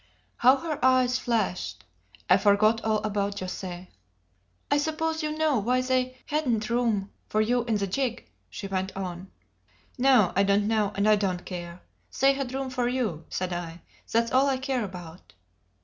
How her eyes flashed! I forgot all about José. "I suppose you know why they hadn't room for you in the gig?" she went on. "No, I don't know, and I don't care. They had room for you," said I; "that's all I care about."